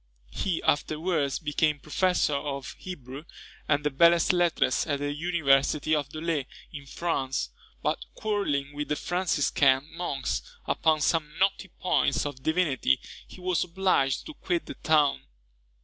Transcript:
He afterwards became professor of Hebrew and the belles lettres at the University of Dôle, in France; but quarrelling with the Franciscan monks upon some knotty points of divinity, he was obliged to quit the town.